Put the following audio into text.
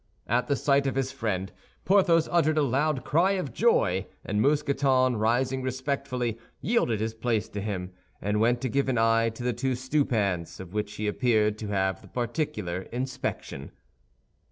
At the sight of his friend, Porthos uttered a loud cry of joy; and Mousqueton, rising respectfully, yielded his place to him, and went to give an eye to the two stewpans, of which he appeared to have the particular inspection.